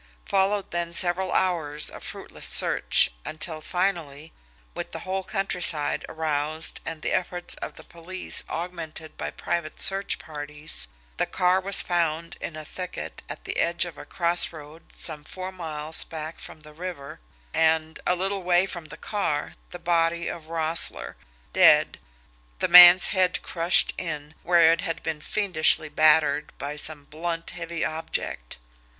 Followed then several hours of fruitless search, until finally, with the whole countryside aroused and the efforts of the police augumented by private search parties, the car was found in a thicket at the edge of a crossroad some four miles back from the river, and, a little way from the car, the body of Roessle, dead, the man's head crushed in where it had been fiendishly battered by some blunt, heavy object.